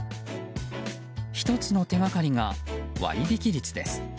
１つの手掛かりが割引率です。